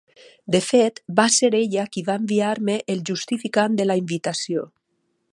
De fet, va ser ella qui va enviar-me el justificant de la invitació.